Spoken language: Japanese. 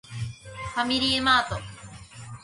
ファミリーマート